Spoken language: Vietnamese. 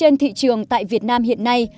trên thị trường tại việt nam hiện nay